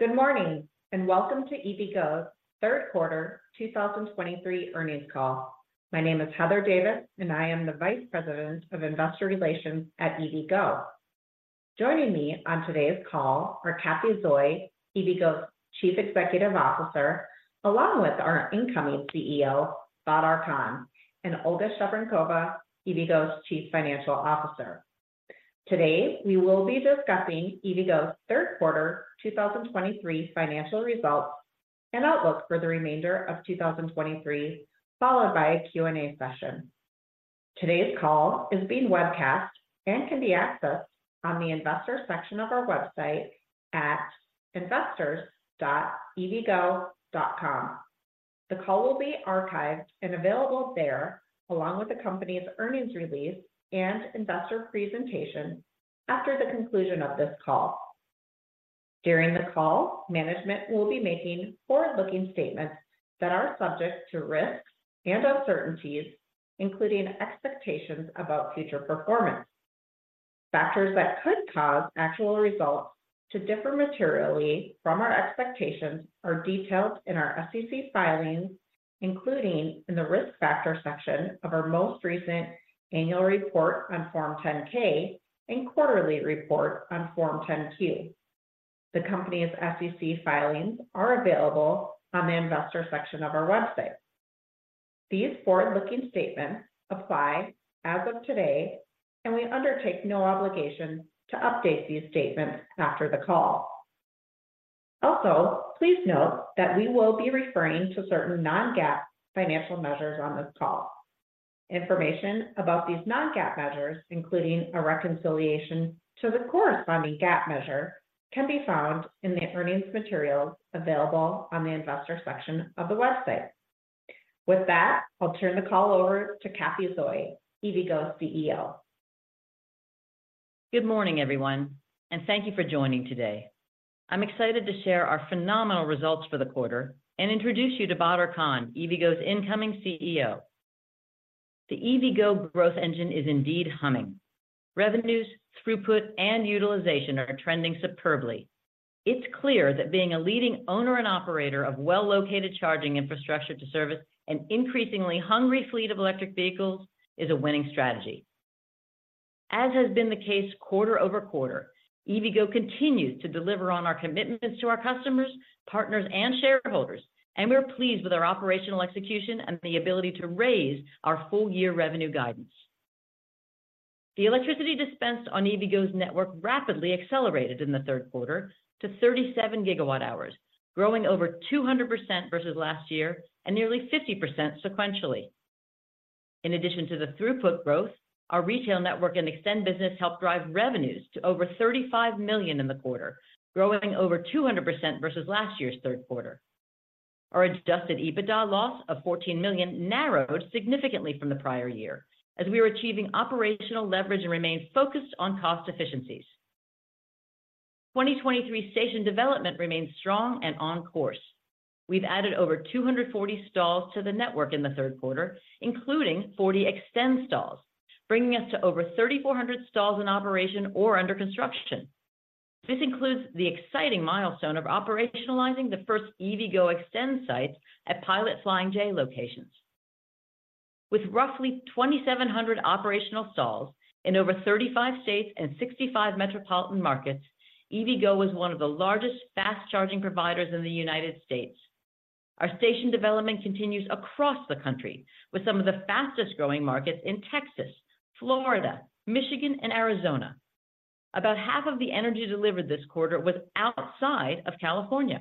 Good morning, and welcome to EVgo's third quarter 2023 earnings call. My name is Heather Davis, and I am the Vice President of Investor Relations at EVgo. Joining me on today's call are Cathy Zoi, EVgo's Chief Executive Officer, along with our incoming CEO, Badar Khan, and Olga Shevorenkova, EVgo's Chief Financial Officer. Today, we will be discussing EVgo's third quarter 2023 financial results and outlook for the remainder of 2023, followed by a Q&A session. Today's call is being webcast and can be accessed on the investor section of our website at investors.evgo.com. The call will be archived and available there, along with the company's earnings release and investor presentation, after the conclusion of this call. During the call, management will be making forward-looking statements that are subject to risks and uncertainties, including expectations about future performance. Factors that could cause actual results to differ materially from our expectations are detailed in our SEC filings, including in the Risk Factor section of our most recent annual report on Form 10-K and quarterly report on Form 10-Q. The company's SEC filings are available on the Investor section of our website. These forward-looking statements apply as of today, and we undertake no obligation to update these statements after the call. Also, please note that we will be referring to certain non-GAAP financial measures on this call. Information about these non-GAAP measures, including a reconciliation to the corresponding GAAP measure, can be found in the earnings materials available on the Investor section of the website. With that, I'll turn the call over to Cathy Zoi, EVgo's CEO. Good morning, everyone, and thank you for joining today. I'm excited to share our phenomenal results for the quarter and introduce you to Badar Khan, EVgo's incoming CEO. The EVgo growth engine is indeed humming. Revenues, throughput, and utilization are trending superbly. It's clear that being a leading owner and operator of well-located charging infrastructure to service an increasingly hungry fleet of electric vehicles is a winning strategy. As has been the case quarter-over-quarter, EVgo continues to deliver on our commitments to our customers, partners, and shareholders, and we're pleased with our operational execution and the ability to raise our full-year revenue guidance. The electricity dispensed on EVgo's network rapidly accelerated in the third quarter to 37 GWh, growing over 200% versus last year and nearly 50% sequentially. In addition to the throughput growth, our retail network and eXtend business helped drive revenues to over $35 million in the quarter, growing over 200% versus last year's third quarter. Our Adjusted EBITDA loss of $14 million narrowed significantly from the prior year as we were achieving operational leverage and remained focused on cost efficiencies. 2023 station development remains strong and on course. We've added over 240 stalls to the network in the third quarter, including 40 eXtend stalls, bringing us to over 3,400 stalls in operation or under construction. This includes the exciting milestone of operationalizing the first EVgo eXtend site at Pilot Flying J locations. With roughly 2,700 operational stalls in over 35 states and 65 metropolitan markets, EVgo is one of the largest fast charging providers in the United States. Our station development continues across the country, with some of the fastest-growing markets in Texas, Florida, Michigan, and Arizona. About half of the energy delivered this quarter was outside of California.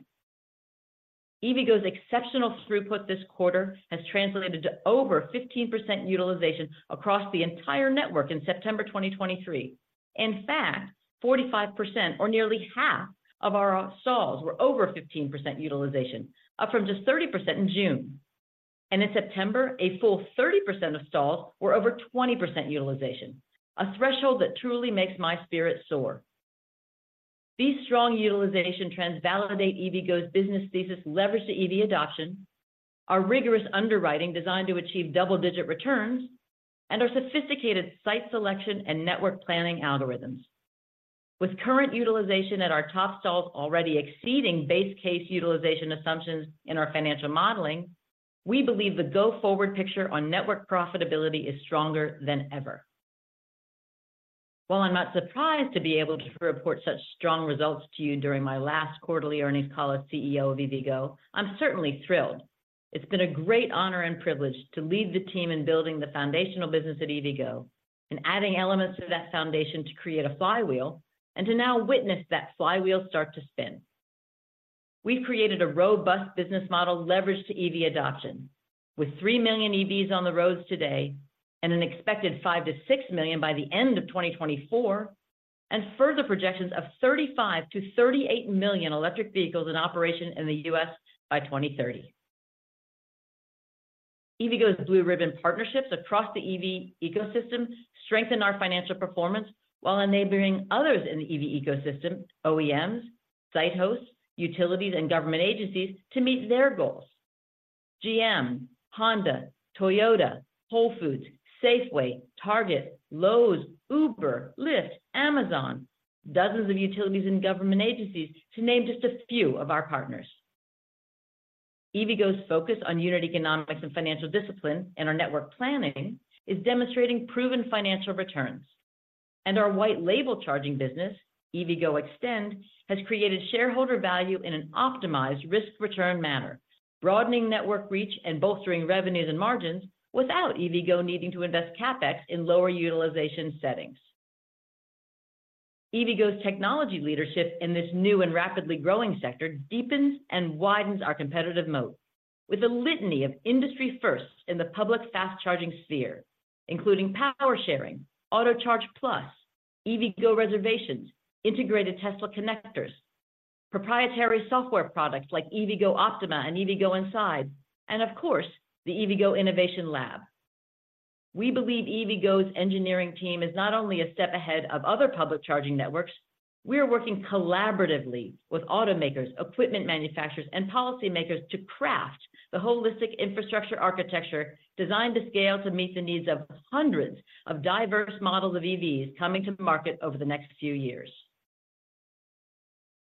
EVgo's exceptional throughput this quarter has translated to over 15% utilization across the entire network in September 2023. In fact, 45% or nearly half of our stalls were over 15% utilization, up from just 30% in June. And in September, a full 30% of stalls were over 20% utilization, a threshold that truly makes my spirit soar. These strong utilization trends validate EVgo's business thesis leverage to EV adoption, our rigorous underwriting designed to achieve double-digit returns, and our sophisticated site selection and network planning algorithms. With current utilization at our top stalls already exceeding base case utilization assumptions in our financial modeling, we believe the go-forward picture on network profitability is stronger than ever. While I'm not surprised to be able to report such strong results to you during my last quarterly earnings call as CEO of EVgo, I'm certainly thrilled. It's been a great honor and privilege to lead the team in building the foundational business at EVgo and adding elements to that foundation to create a flywheel, and to now witness that flywheel start to spin. We've created a robust business model leveraged to EV adoption, with 3 million EVs on the roads today and an expected 5-6 million by the end of 2024, and further projections of 35-38 million electric vehicles in operation in the U.S. by 2030. EVgo's Blue Ribbon partnerships across the EV ecosystem strengthen our financial performance while enabling others in the EV ecosystem, OEMs, site hosts, utilities, and government agencies to meet their goals... GM, Honda, Toyota, Whole Foods, Safeway, Target, Lowe's, Uber, Lyft, Amazon, dozens of utilities and government agencies, to name just a few of our partners. EVgo's focus on unit economics and financial discipline and our network planning is demonstrating proven financial returns. Our white label charging business, EVgo eXtend, has created shareholder value in an optimized risk-return manner, broadening network reach and bolstering revenues and margins without EVgo needing to invest CapEx in lower utilization settings. EVgo's technology leadership in this new and rapidly growing sector deepens and widens our competitive moat, with a litany of industry firsts in the public fast charging sphere, including power sharing, AutoCharge Plus, EVgo Reservations, integrated Tesla connectors, proprietary software products like EVgo Optima and EVgo Inside, and of course, the EVgo Innovation Lab. We believe EVgo's engineering team is not only a step ahead of other public charging networks. We are working collaboratively with automakers, equipment manufacturers, and policymakers to craft the holistic infrastructure architecture designed to scale to meet the needs of hundreds of diverse models of EVs coming to market over the next few years.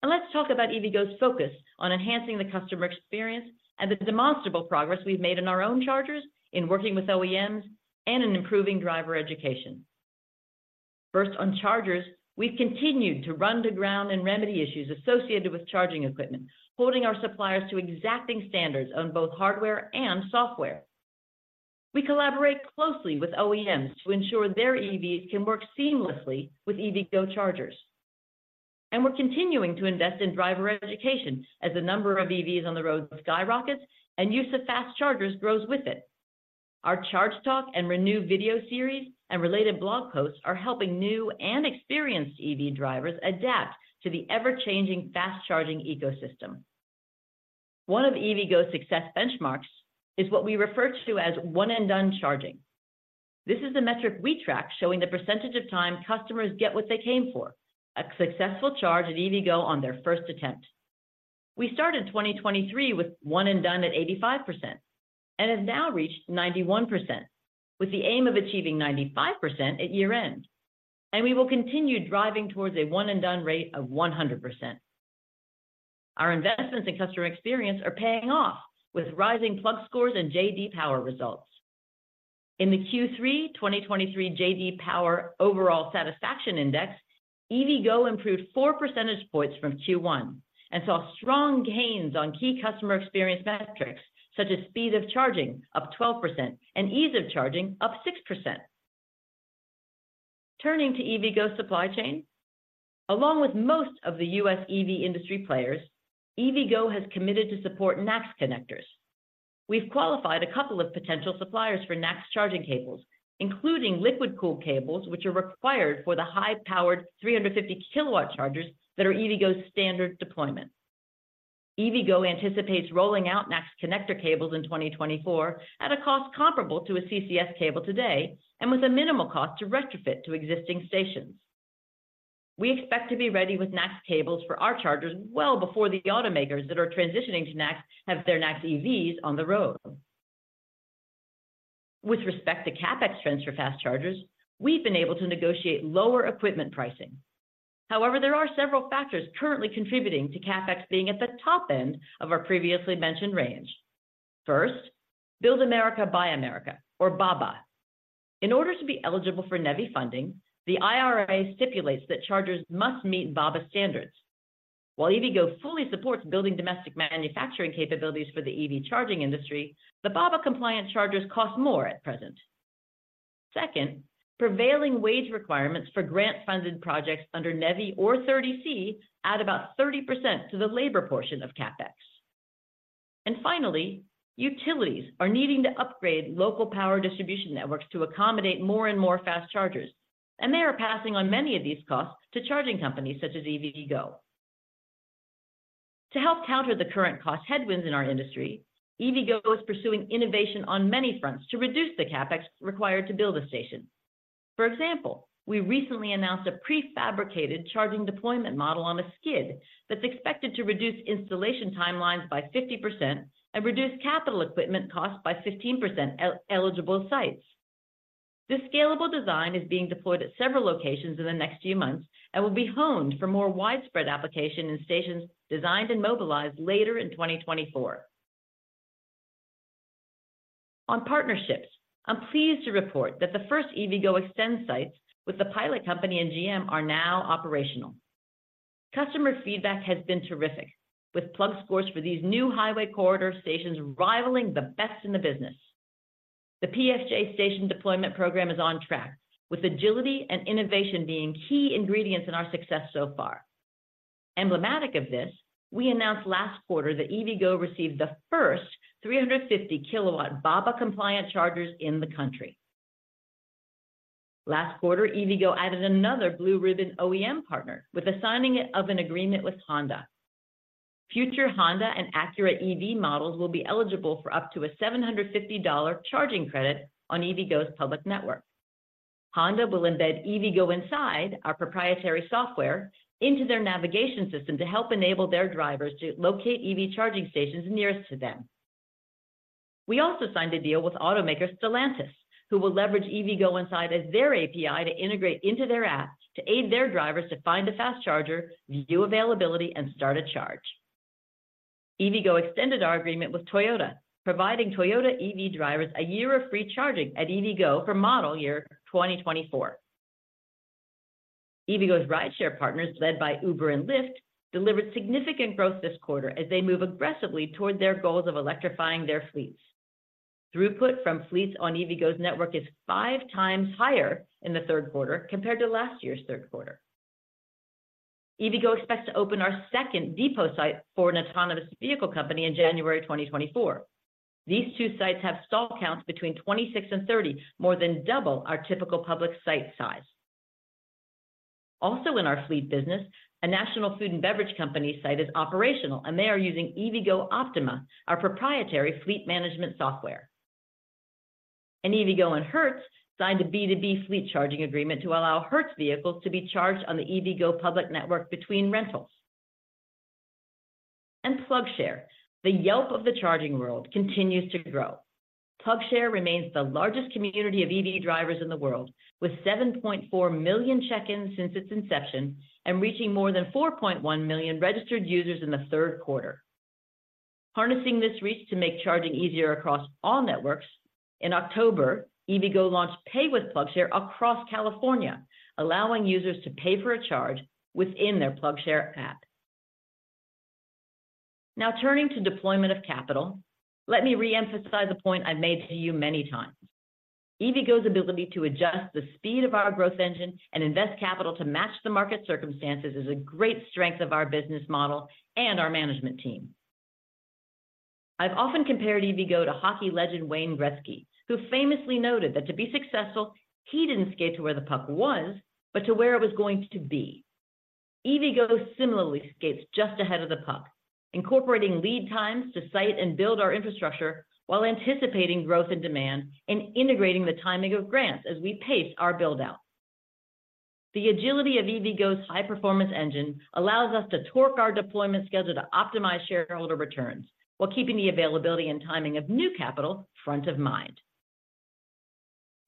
Now, let's talk about EVgo's focus on enhancing the customer experience and the demonstrable progress we've made in our own chargers, in working with OEMs, and in improving driver education. First, on chargers, we've continued to run to ground and remedy issues associated with charging equipment, holding our suppliers to exacting standards on both hardware and software. We collaborate closely with OEMs to ensure their EVs can work seamlessly with EVgo chargers. We're continuing to invest in driver education as the number of EVs on the road skyrockets and use of fast chargers grows with it. Our Charge Talk and ReNew video series and related blog posts are helping new and experienced EV drivers adapt to the ever-changing fast charging ecosystem. One of EVgo's success benchmarks is what we refer to as One and Done charging. This is a metric we track, showing the percentage of time customers get what they came for, a successful charge at EVgo on their first attempt. We started 2023 with One and Done at 85% and have now reached 91%, with the aim of achieving 95% at year-end. We will continue driving towards a One and Done rate of 100%. Our investments in customer experience are paying off, with rising PlugScore and J.D. Power results. In the Q3 2023 J.D. Power Overall Satisfaction Index, EVgo improved four percentage points from Q1 and saw strong gains on key customer experience metrics, such as speed of charging, up 12%, and ease of charging, up 6%. Turning to EVgo supply chain. Along with most of the U.S. EV industry players, EVgo has committed to support NACS connectors. We've qualified a couple of potential suppliers for NACS charging cables, including liquid-cooled cables, which are required for the high-powered 350 kW chargers that are EVgo's standard deployment. EVgo anticipates rolling out NACS connector cables in 2024 at a cost comparable to a CCS cable today and with a minimal cost to retrofit to existing stations. We expect to be ready with NACS cables for our chargers well before the automakers that are transitioning to NACS have their NACS EVs on the road. With respect to CapEx trends for fast chargers, we've been able to negotiate lower equipment pricing. However, there are several factors currently contributing to CapEx being at the top end of our previously mentioned range. First, Build America, Buy America, or BABA. In order to be eligible for NEVI funding, the IRA stipulates that chargers must meet BABA standards. While EVgo fully supports building domestic manufacturing capabilities for the EV charging industry, the BABA compliant chargers cost more at present. Second, prevailing wage requirements for grant-funded projects under NEVI or 30C add about 30% to the labor portion of CapEx. Finally, utilities are needing to upgrade local power distribution networks to accommodate more and more fast chargers, and they are passing on many of these costs to charging companies such as EVgo. To help counter the current cost headwinds in our industry, EVgo is pursuing innovation on many fronts to reduce the CapEx required to build a station. For example, we recently announced a prefabricated charging deployment model on a skid that's expected to reduce installation timelines by 50% and reduce capital equipment costs by 15% eligible sites. This scalable design is being deployed at several locations in the next few months and will be honed for more widespread application in stations designed and mobilized later in 2024. On partnerships, I'm pleased to report that the first EVgo eXtend sites with The Pilot Company and GM are now operational. Customer feedback has been terrific, with PlugScore for these new highway corridor stations rivaling the best in the business. The PFJ station deployment program is on track, with agility and innovation being key ingredients in our success so far. Emblematic of this, we announced last quarter that EVgo received the first 350 kW BABA-compliant chargers in the country. Last quarter, EVgo added another Blue Ribbon OEM partner with the signing of an agreement with Honda. Future Honda and Acura EV models will be eligible for up to a $750 charging credit on EVgo's public network. Honda will embed EVgo Inside, our proprietary software, into their navigation system to help enable their drivers to locate EV charging stations nearest to them. We also signed a deal with automaker Stellantis, who will leverage EVgo Inside as their API to integrate into their apps, to aid their drivers to find a fast charger, view availability, and start a charge. EVgo extended our agreement with Toyota, providing Toyota EV drivers a year of free charging at EVgo for model year 2024. EVgo's rideshare partners, led by Uber and Lyft, delivered significant growth this quarter as they move aggressively toward their goals of electrifying their fleets. Throughput from fleets on EVgo's network is 5 times higher in the third quarter compared to last year's third quarter. EVgo expects to open our second depot site for an autonomous vehicle company in January 2024. These two sites have stall counts between 26 and 30, more than double our typical public site size. Also in our fleet business, a national food and beverage company site is operational, and they are using EVgo Optima, our proprietary fleet management software. EVgo and Hertz signed a B2B fleet charging agreement to allow Hertz vehicles to be charged on the EVgo public network between rentals. PlugShare, the Yelp of the charging world, continues to grow. PlugShare remains the largest community of EV drivers in the world, with 7.4 million check-ins since its inception and reaching more than 4.1 million registered users in the third quarter. Harnessing this reach to make charging easier across all networks, in October, EVgo launched Pay with PlugShare across California, allowing users to pay for a charge within their PlugShare app. Now, turning to deployment of capital, let me reemphasize a point I've made to you many times. EVgo's ability to adjust the speed of our growth engine and invest capital to match the market circumstances is a great strength of our business model and our management team. I've often compared EVgo to hockey legend Wayne Gretzky, who famously noted that to be successful, he didn't skate to where the puck was, but to where it was going to be. EVgo similarly skates just ahead of the puck, incorporating lead times to site and build our infrastructure while anticipating growth and demand and integrating the timing of grants as we pace our build-out. The agility of EVgo's high-performance engine allows us to torque our deployment schedule to optimize shareholder returns, while keeping the availability and timing of new capital front of mind.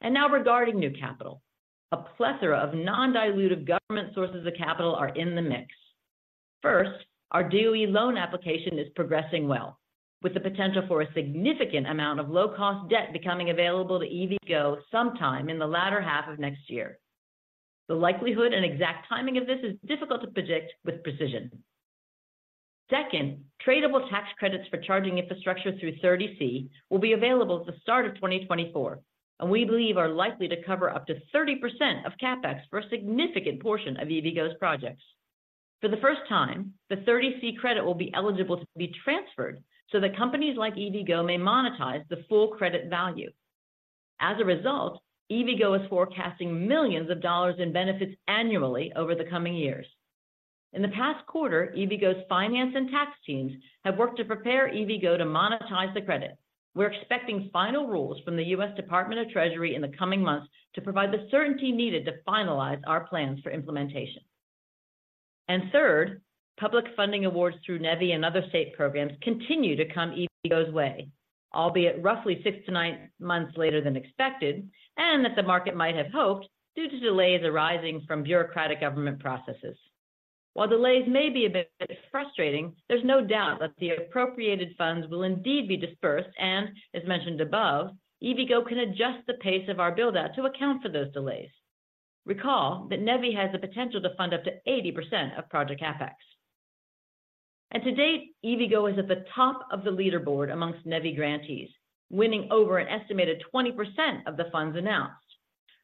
And now, regarding new capital, a plethora of non-dilutive government sources of capital are in the mix. First, our DOE loan application is progressing well, with the potential for a significant amount of low-cost debt becoming available to EVgo sometime in the latter half of next year. The likelihood and exact timing of this is difficult to predict with precision. Second, tradable tax credits for charging infrastructure through 30C will be available at the start of 2024, and we believe are likely to cover up to 30% of CapEx for a significant portion of EVgo's projects. For the first time, the 30C credit will be eligible to be transferred so that companies like EVgo may monetize the full credit value. As a result, EVgo is forecasting $ millions in benefits annually over the coming years. In the past quarter, EVgo's finance and tax teams have worked to prepare EVgo to monetize the credit. We're expecting final rules from the U.S. Department of Treasury in the coming months to provide the certainty needed to finalize our plans for implementation. And third, public funding awards through NEVI and other state programs continue to come EVgo's way, albeit roughly 6-9 months later than expected, and that the market might have hoped due to delays arising from bureaucratic government processes. While delays may be a bit frustrating, there's no doubt that the appropriated funds will indeed be disbursed, and as mentioned above, EVgo can adjust the pace of our build-out to account for those delays. Recall that NEVI has the potential to fund up to 80% of project CapEx. And to date, EVgo is at the top of the leaderboard amongst NEVI grantees, winning over an estimated 20% of the funds announced.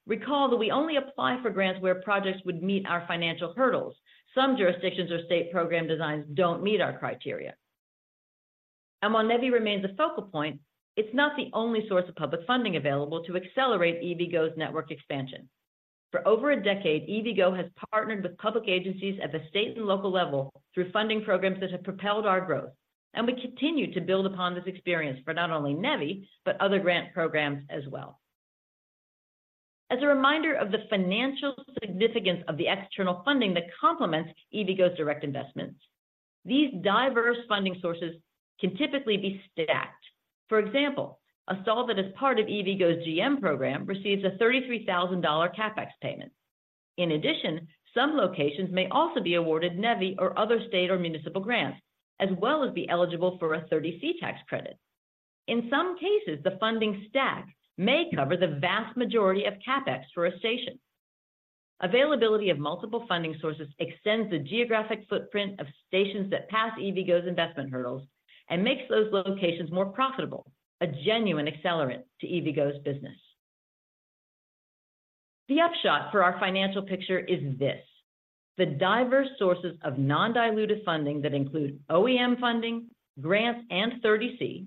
Recall that we only apply for grants where projects would meet our financial hurdles. Some jurisdictions or state program designs don't meet our criteria. While NEVI remains a focal point, it's not the only source of public funding available to accelerate EVgo's network expansion. For over a decade, EVgo has partnered with public agencies at the state and local level through funding programs that have propelled our growth, and we continue to build upon this experience for not only NEVI, but other grant programs as well. As a reminder of the financial significance of the external funding that complements EVgo's direct investments, these diverse funding sources can typically be stacked. For example, a stall that is part of EVgo's GM program receives a $33,000 CapEx payment. In addition, some locations may also be awarded NEVI or other state or municipal grants, as well as be eligible for a 30C tax credit. In some cases, the funding stack may cover the vast majority of CapEx for a station. Availability of multiple funding sources extends the geographic footprint of stations that pass EVgo's investment hurdles and makes those locations more profitable, a genuine accelerant to EVgo's business. The upshot for our financial picture is this: the diverse sources of non-dilutive funding that include OEM funding, grants, and 30C,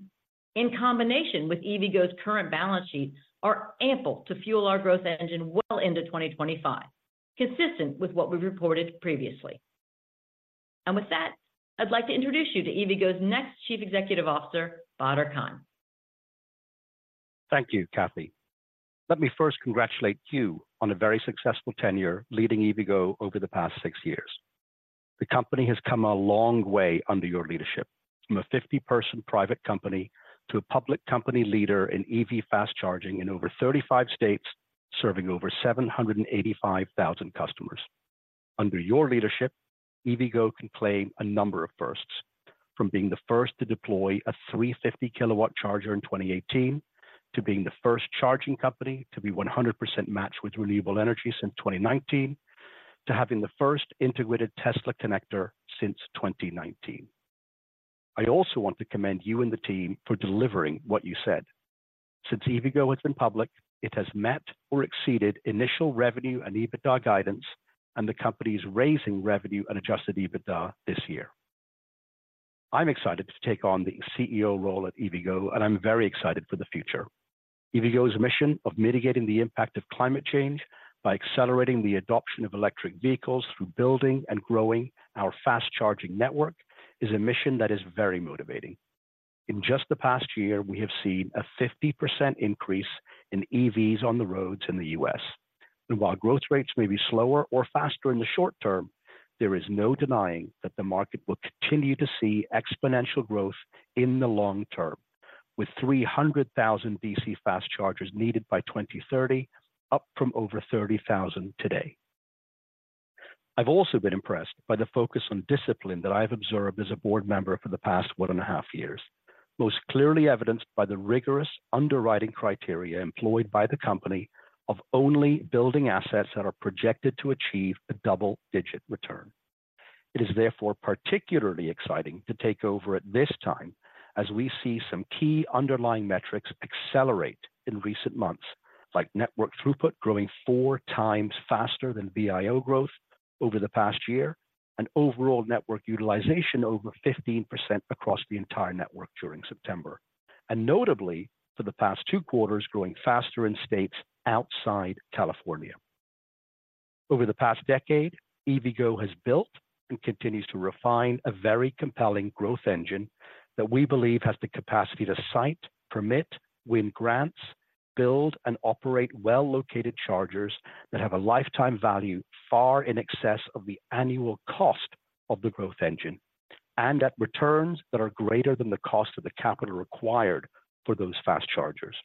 in combination with EVgo's current balance sheet, are ample to fuel our growth engine well into 2025, consistent with what we've reported previously... And with that, I'd like to introduce you to EVgo's next Chief Executive Officer, Badar Khan. Thank you, Cathy. Let me first congratulate you on a very successful tenure leading EVgo over the past 6 years. The company has come a long way under your leadership, from a 50-person private company to a public company leader in EV fast charging in over 35 states, serving over 785,000 customers. Under your leadership, EVgo can claim a number of firsts, from being the first to deploy a 350 kW charger in 2018, to being the first charging company to be 100% matched with renewable energy since 2019, to having the first integrated Tesla connector since 2019. I also want to commend you and the team for delivering what you said. Since EVgo has been public, it has met or exceeded initial revenue and EBITDA guidance, and the company's raising revenue and adjusted EBITDA this year. I'm excited to take on the CEO role at EVgo, and I'm very excited for the future. EVgo's mission of mitigating the impact of climate change by accelerating the adoption of electric vehicles through building and growing our fast charging network, is a mission that is very motivating. In just the past year, we have seen a 50% increase in EVs on the roads in the U.S. While growth rates may be slower or faster in the short term, there is no denying that the market will continue to see exponential growth in the long term, with 300,000 DC fast chargers needed by 2030, up from over 30,000 today. I've also been impressed by the focus on discipline that I've observed as a board member for the past 1.5 years. Most clearly evidenced by the rigorous underwriting criteria employed by the company of only building assets that are projected to achieve a double-digit return. It is therefore particularly exciting to take over at this time, as we see some key underlying metrics accelerate in recent months, like network throughput growing four times faster than VIO growth over the past year, and overall network utilization over 15% across the entire network during September, and notably, for the past two quarters, growing faster in states outside California. Over the past decade, EVgo has built and continues to refine a very compelling growth engine that we believe has the capacity to site, permit, win grants, build and operate well-located chargers that have a lifetime value far in excess of the annual cost of the growth engine, and at returns that are greater than the cost of the capital required for those fast chargers.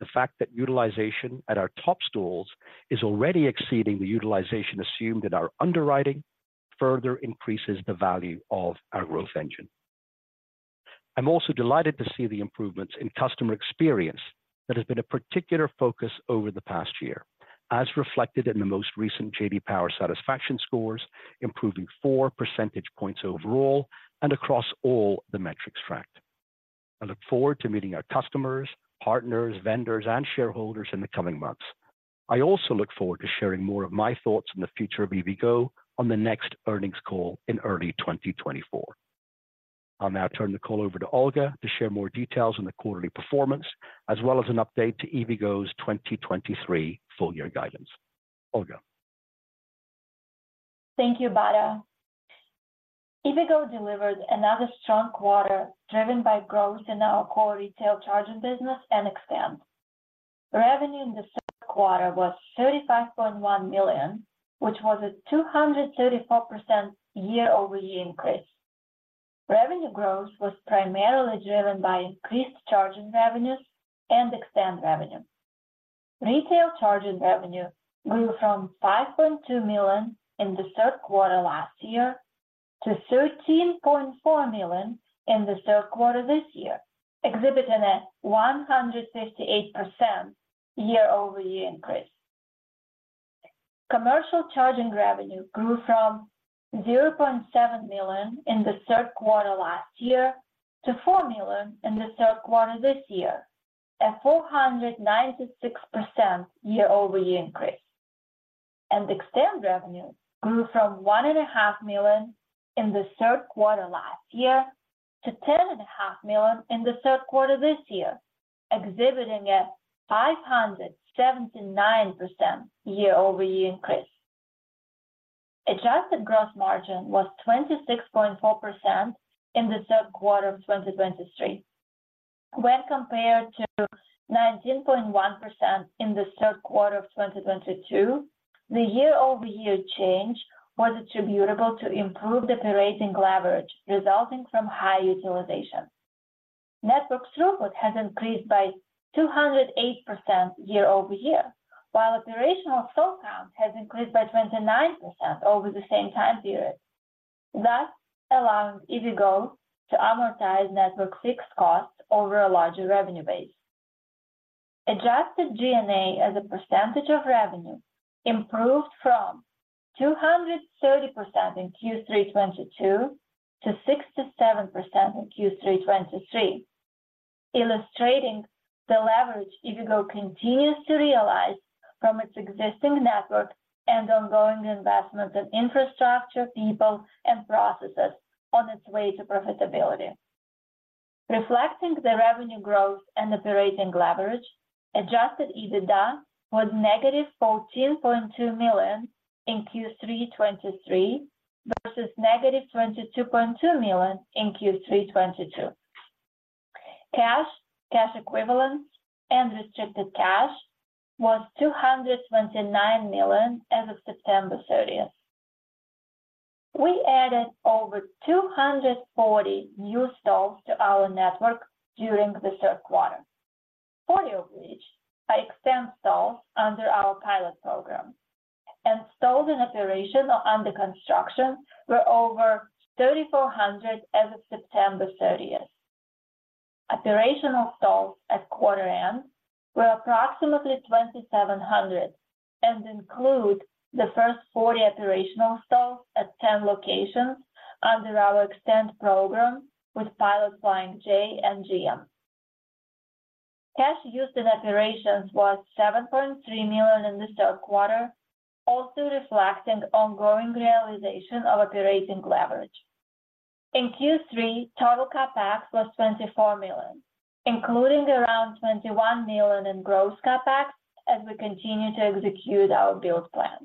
The fact that utilization at our top st is already exceeding the utilization assumed in our underwriting, further increases the value of our growth engine. I'm also delighted to see the improvements in customer experience that has been a particular focus over the past year, as reflected in the most recent J.D. Power satisfaction scores, improving four percentage points overall and across all the metrics tracked. I look forward to meeting our customers, partners, vendors, and shareholders in the coming months. I also look forward to sharing more of my thoughts on the future of EVgo on the next earnings call in early 2024. I'll now turn the call over to Olga to share more details on the quarterly performance, as well as an update to EVgo's 2023 full year guidance. Olga. Thank you, Badar. EVgo delivered another strong quarter, driven by growth in our core retail charging business and eXtend. Revenue in the third quarter was $35.1 million, which was a 234% year-over-year increase. Revenue growth was primarily driven by increased charging revenues and eXtend revenue. Retail charging revenue grew from $5.2 million in the third quarter last year to $13.4 million in the third quarter this year, exhibiting a 158% year-over-year increase. Commercial charging revenue grew from $0.7 million in the third quarter last year to $4 million in the third quarter this year, a 496% year-over-year increase. eXtend revenue grew from $1.5 million in the third quarter last year to $10.5 million in the third quarter this year, exhibiting a 579% year-over-year increase. Adjusted gross margin was 26.4% in the third quarter of 2023. When compared to 19.1% in the third quarter of 2022, the year-over-year change was attributable to improved operating leverage, resulting from high utilization. Network throughput has increased by 208% year-over-year, while operational stall count has increased by 29% over the same time period. That allows EVgo to amortize network fixed costs over a larger revenue base. Adjusted G&A as a percentage of revenue improved from 230% in Q3 2022 to 67% in Q3 2023, illustrating the leverage EVgo continues to realize from its existing network and ongoing investment in infrastructure, people, and processes on its way to profitability. Reflecting the revenue growth and operating leverage, adjusted EBITDA was -$14.2 million in Q3 2023, versus -$22.2 million in Q3 2022. Cash, cash equivalents, and restricted cash was $229 million as of September 30. We added over 240 new stalls to our network during the third quarter. 40 of which are extend stalls under our pilot program, and stalls in operation or under construction were over 3,400 as of September 30. Operational stalls at quarter end were approximately 2,700, and include the first 40 operational stalls at 10 locations under our eXtend program with Pilot Flying J and GM. Cash used in operations was $7.3 million in the third quarter, also reflecting ongoing realization of operating leverage. In Q3, total CapEx was $24 million, including around $21 million in gross CapEx as we continue to execute our build plan.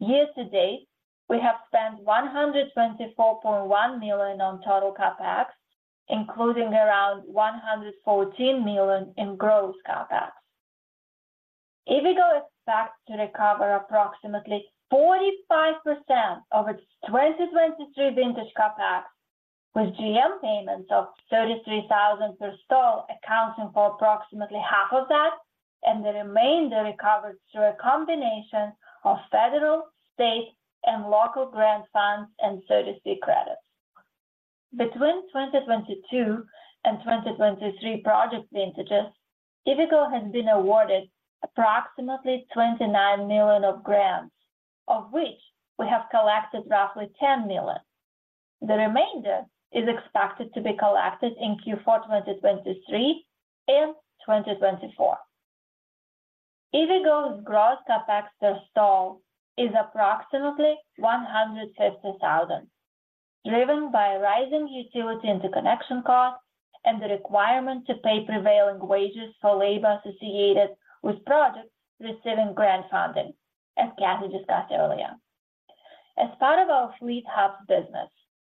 Year to date, we have spent $124.1 million on total CapEx, including around $114 million in gross CapEx. EVgo expects to recover approximately 45% of its 2023 vintage CapEx, with GM payments of $33,000 per stall accounting for approximately half of that, and the remainder recovered through a combination of federal, state, and local grant funds and 30C credits. Between 2022 and 2023 project vintages, EVgo has been awarded approximately $29 million of grants, of which we have collected roughly $10 million. The remainder is expected to be collected in Q4 2023 and 2024. EVgo's gross CapEx per stall is approximately $150,000, driven by rising utility interconnection costs and the requirement to pay prevailing wages for labor associated with projects receiving grant funding, as Cathy discussed earlier. As part of our Fleet Hub business,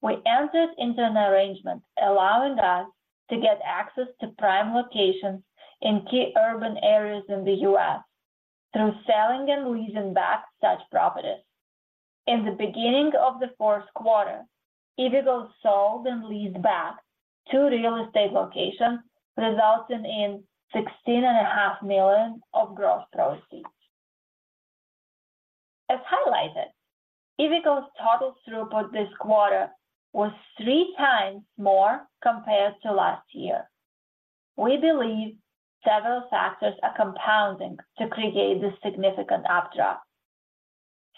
we entered into an arrangement allowing us to get access to prime locations in key urban areas in the U.S. through selling and leasing back such properties. In the beginning of the fourth quarter, EVgo sold and leased back two real estate locations, resulting in $16.5 million of gross proceeds. As highlighted, EVgo's total throughput this quarter was three times more compared to last year. We believe several factors are compounding to create this significant updraft.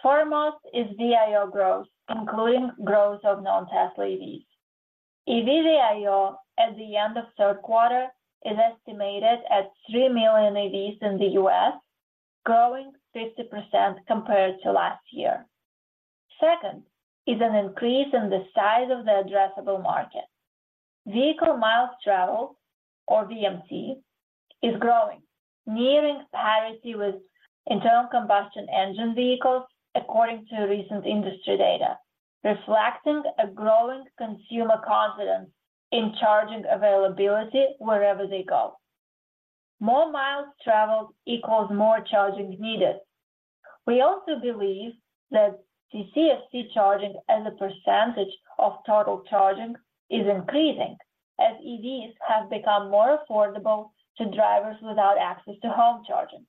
Foremost is VIO growth, including growth of non-Tesla EVs. EV VIO at the end of third quarter is estimated at 3 million EVs in the U.S., growing 50% compared to last year. Second, is an increase in the size of the addressable market. Vehicle miles traveled, or VMT, is growing, nearing parity with internal combustion engine vehicles, according to recent industry data, reflecting a growing consumer confidence in charging availability wherever they go. More miles traveled equals more charging needed. We also believe that DCFC charging as a percentage of total charging is increasing, as EVs have become more affordable to drivers without access to home charging.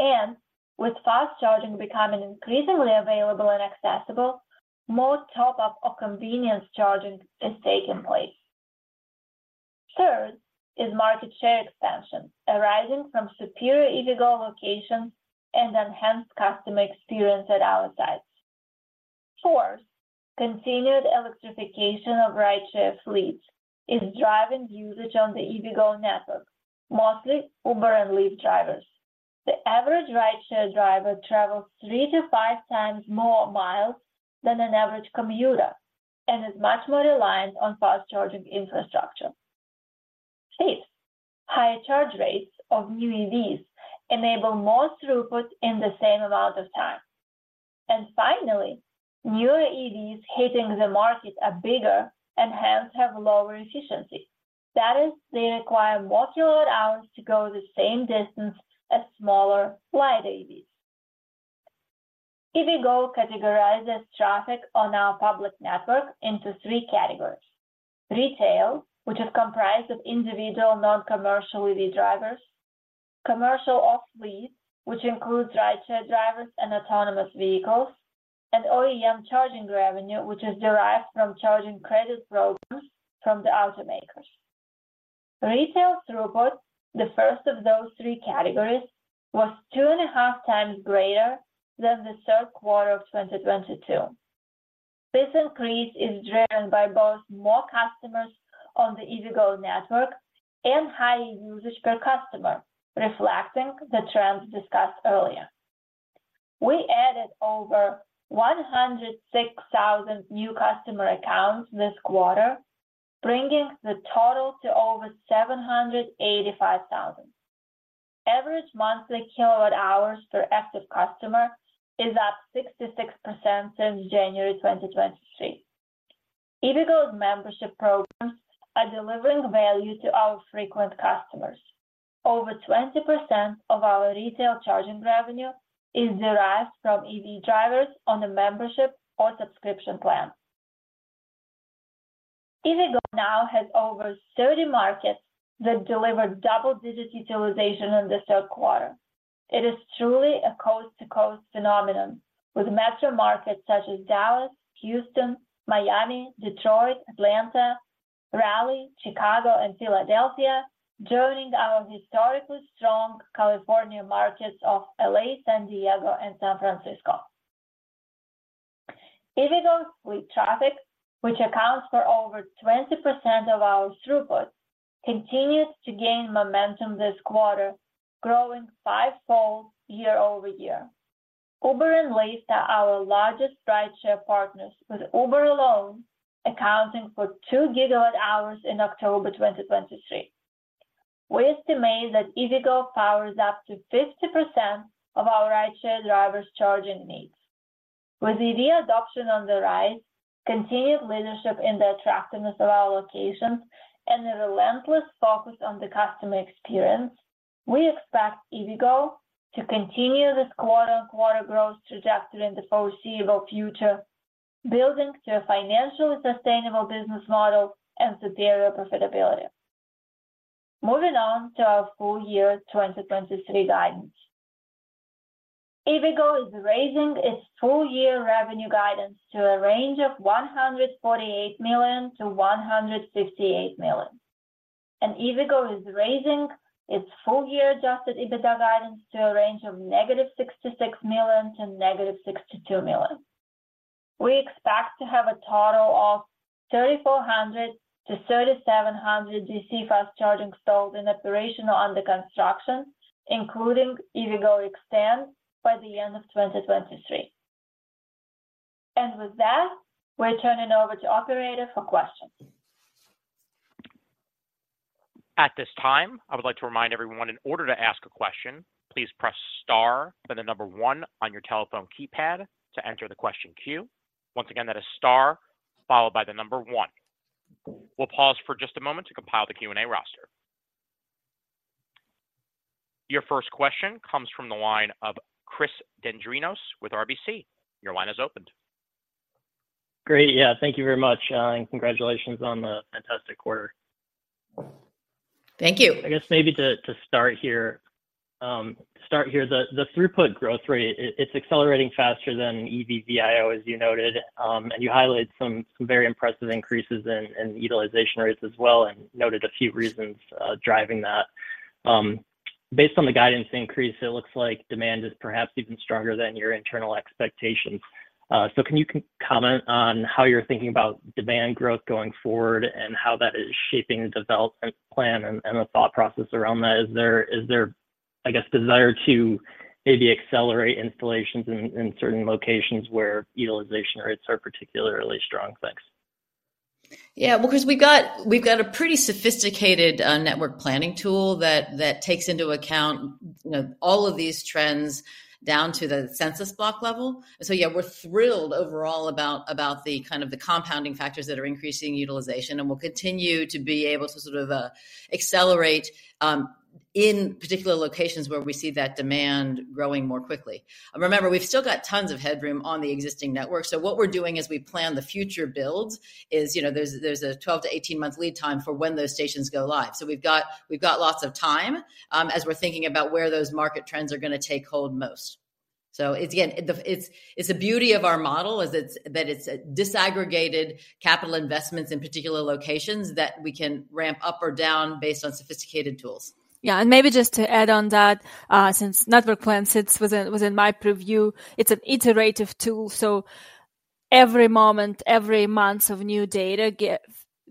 And with fast charging becoming increasingly available and accessible, more top-up or convenience charging is taking place. Third, is market share expansion arising from superior EVgo locations and enhanced customer experience at our sites. Fourth, continued electrification of rideshare fleets is driving usage on the EVgo network, mostly Uber and Lyft drivers. The average rideshare driver travels 3-5 times more miles than an average commuter and is much more reliant on fast charging infrastructure. Fifth, higher charge rates of new EVs enable more throughput in the same amount of time. And finally, newer EVs hitting the market are bigger and hence have lower efficiency. That is, they require more kilowatt hours to go the same distance as smaller light EVs. EVgo categorizes traffic on our public network into three categories: retail, which is comprised of individual, non-commercial EV drivers, commercial off-fleet, which includes rideshare drivers and autonomous vehicles, and OEM charging revenue, which is derived from charging credit programs from the automakers. Retail throughput, the first of those three categories, was 2.5 times greater than the third quarter of 2022. This increase is driven by both more customers on the EVgo network and high usage per customer, reflecting the trends discussed earlier. We added over 106,000 new customer accounts this quarter, bringing the total to over 785,000. Average monthly kilowatt hours per active customer is up 66% since January 2023. EVgo's membership programs are delivering value to our frequent customers. Over 20% of our retail charging revenue is derived from EV drivers on a membership or subscription plan. EVgo now has over 30 markets that delivered double-digit utilization in the third quarter. It is truly a coast-to-coast phenomenon, with metro markets such as Dallas, Houston, Miami, Detroit, Atlanta, Raleigh, Chicago, and Philadelphia, joining our historically strong California markets of LA, San Diego, and San Francisco. EVgo fleet traffic, which accounts for over 20% of our throughput, continues to gain momentum this quarter, growing fivefold year-over-year. Uber and Lyft are our largest rideshare partners, with Uber alone accounting for 2 GWh in October 2023. We estimate that EVgo powers up to 50% of our rideshare drivers' charging needs. With EV adoption on the rise, continued leadership in the attractiveness of our locations, and a relentless focus on the customer experience, we expect EVgo to continue this quarter-on-quarter growth trajectory in the foreseeable future, building to a financially sustainable business model and superior profitability. Moving on to our full-year 2023 guidance. EVgo is raising its full-year revenue guidance to a range of $148 million-$158 million, and EVgo is raising its full-year Adjusted EBITDA guidance to a range of -$66 million to -$62 million. We expect to have a total of 3,400-3,700 DC fast charging installed and operational under construction, including EVgo eXtend, by the end of 2023. With that, we're turning over to the operator for questions. At this time, I would like to remind everyone, in order to ask a question, please press star, then the number one on your telephone keypad to enter the question queue. Once again, that is star followed by the number one. We'll pause for just a moment to compile the Q&A roster. Your first question comes from the line of Chris Dendrinos with RBC. Your line is open. Great. Yeah, thank you very much, and congratulations on the fantastic quarter. Thank you. I guess maybe to start here, the throughput growth rate, it's accelerating faster than EVgo, as you noted. And you highlighted some very impressive increases in utilization rates as well and noted a few reasons driving that. Based on the guidance increase, it looks like demand is perhaps even stronger than your internal expectations. So can you comment on how you're thinking about demand growth going forward and how that is shaping the development plan and the thought process around that? Is there, I guess, desire to maybe accelerate installations in certain locations where utilization rates are particularly strong? Thanks. Yeah, well, because we've got a pretty sophisticated network planning tool that takes into account, you know, all of these trends down to the census block level. So yeah, we're thrilled overall about the kind of compounding factors that are increasing utilization, and we'll continue to be able to sort of accelerate in particular locations where we see that demand growing more quickly. Remember, we've still got tons of headroom on the existing network. So what we're doing as we plan the future builds is, you know, there's a 12-18 month lead time for when those stations go live. So we've got lots of time as we're thinking about where those market trends are gonna take hold most. So it's, again, the beauty of our model is that it's a disaggregated capital investments in particular locations that we can ramp up or down based on sophisticated tools. Yeah, and maybe just to add on that, since network plan sits within my purview, it's an iterative tool. So every month of new data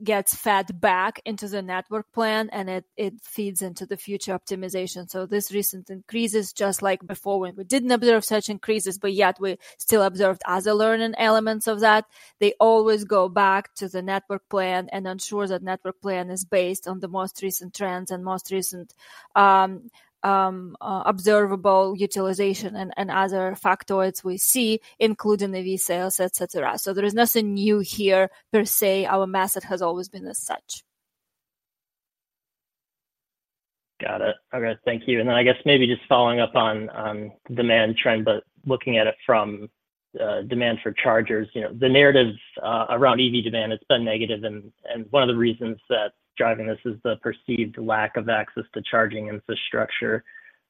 gets fed back into the network plan, and it feeds into the future optimization. So this recent increases, just like before, when we didn't observe such increases, but yet we still observed other learning elements of that, they always go back to the network plan and ensure that network plan is based on the most recent trends and most recent observable utilization and other factoids we see, including the EV sales, et cetera. So there is nothing new here per se. Our method has always been as such. Got it. Okay, thank you. And then I guess maybe just following up on demand trend, but looking at it from demand for chargers. You know, the narratives around EV demand, it's been negative, and one of the reasons that's driving this is the perceived lack of access to charging infrastructure.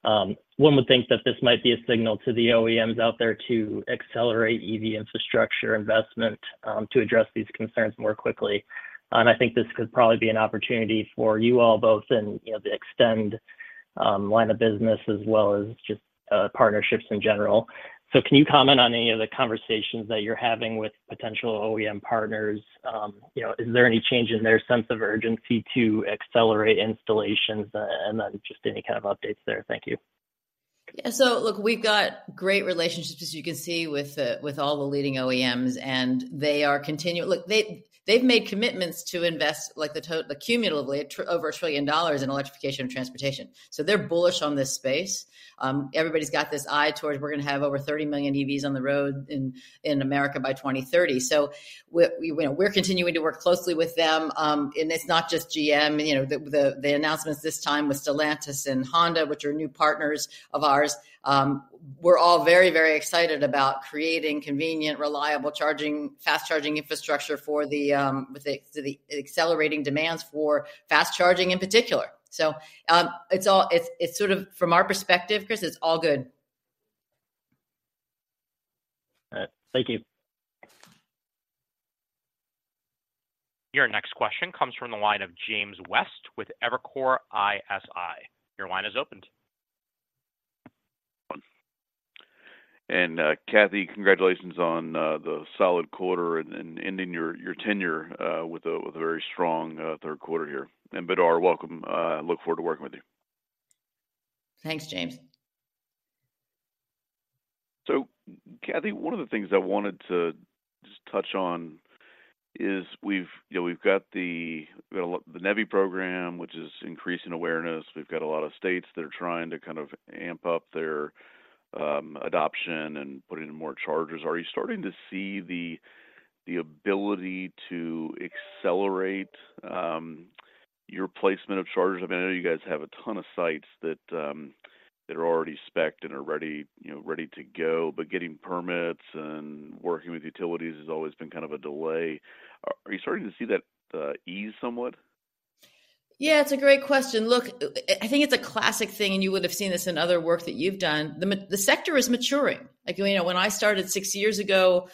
One would think that this might be a signal to the OEMs out there to accelerate EV infrastructure investment to address these concerns more quickly. And I think this could probably be an opportunity for you all, both in, you know, the eXtend line of business as well as just partnerships in general. So can you comment on any of the conversations that you're having with potential OEM partners? You know, is there any change in their sense of urgency to accelerate installations, and then just any kind of updates there? Thank you.... Yeah, so look, we've got great relationships, as you can see, with the, with all the leading OEMs, and they are continuing. Look, they, they've made commitments to invest, like, totally accumulatively, over $1 trillion in electrification of transportation. So they're bullish on this space. Everybody's got this eye towards we're gonna have over 30 million EVs on the road in, in America by 2030. So we, we, you know, we're continuing to work closely with them. And it's not just GM, you know, the, the, the announcements this time with Stellantis and Honda, which are new partners of ours. We're all very, very excited about creating convenient, reliable charging-fast charging infrastructure for the, with the, the accelerating demands for fast charging in particular. So, it's all-it's, it's sort of from our perspective, Chris, it's all good. All right. Thank you. Your next question comes from the line of James West with Evercore ISI. Your line is opened. Cathy, congratulations on the solid quarter and ending your tenure with a very strong third quarter here. Badar, welcome. Look forward to working with you. Thanks, James. So Cathy, one of the things I wanted to just touch on is we've, you know, we've got the NEVI program, which is increasing awareness. We've got a lot of states that are trying to kind of amp up their adoption and put in more chargers. Are you starting to see the ability to accelerate your placement of chargers? I know you guys have a ton of sites that are already specced and are ready, you know, ready to go, but getting permits and working with utilities has always been kind of a delay. Are you starting to see that ease somewhat? Yeah, it's a great question. Look, I think it's a classic thing, and you would have seen this in other work that you've done. The sector is maturing. Like, you know, when I started six years ago,